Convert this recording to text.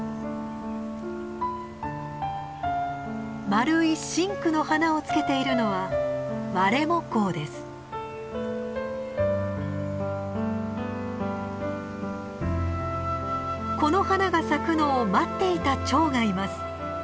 丸い深紅の花をつけているのはこの花が咲くのを待っていたチョウがいます。